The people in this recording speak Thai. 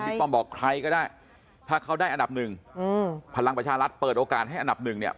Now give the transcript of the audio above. ป้อมบอกใครก็ได้ถ้าเขาได้อันดับหนึ่งอืมพลังประชารัฐเปิดโอกาสให้อันดับหนึ่งเนี่ย